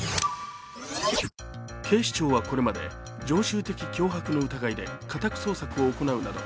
警視庁はこれまで常習的脅迫の疑いで家宅捜索を行うなど